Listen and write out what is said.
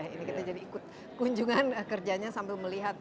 untuk ikut kunjungan kerjanya sambil melihat